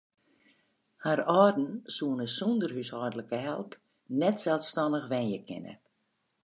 Har âlden soene sûnder húshâldlike help net selsstannich wenje kinne.